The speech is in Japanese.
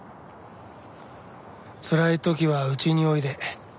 つらい時はうちにおいで。